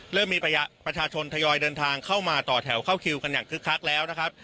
เริ่มมีประชาชนทยอยเดินทางเข้ามาต่อแถวเข้าคิวกันอย่างคึกคักแล้วนะครับ